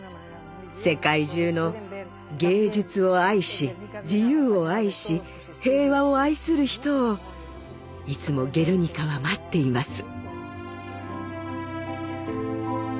世界中の芸術を愛し自由を愛し平和を愛する人をいつも「ゲルニカ」は待っています。